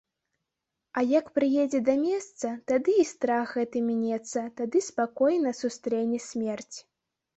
А як прыедзе да месца, тады і страх гэты мінецца, тады спакойна сустрэне смерць.